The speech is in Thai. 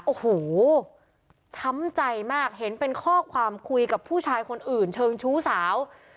โอ้โหช้ำใจมากเห็นเป็นข้อความคุยกับผู้ชายคนอื่นเชิงชู้สาว